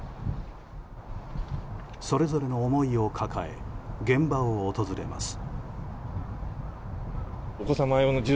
それぞれの思いを抱え現場を訪れます。